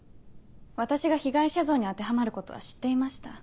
私が被害者像に当てはまることは知っていました。